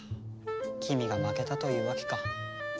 君が負けたというわけか。